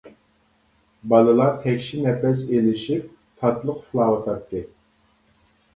بالىلار تەكشى نەپەس ئېلىشىپ تاتلىق ئۇخلاۋاتاتتى.